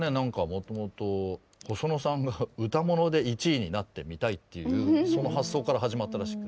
もともと細野さんが歌もので１位になってみたいというその発想から始まったらしい。